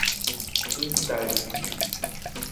instalis